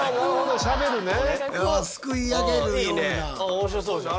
面白そうじゃん。